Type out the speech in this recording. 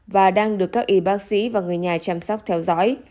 và đang được các y bác sĩ và người nhà chăm sóc theo dõi